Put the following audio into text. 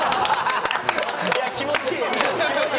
いや気持ちいい！